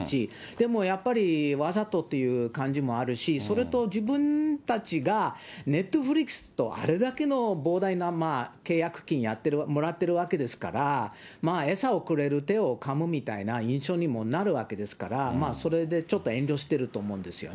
でもやっぱりわざとという感じもあるし、それと自分たちがネットフリックスとあれだけの膨大な契約金もらってるわけですから、餌をくれる手をかむみたいな印象にもなるわけですから、それでちょっと遠慮してると思うんですよね。